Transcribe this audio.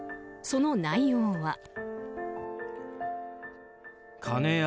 その内容は。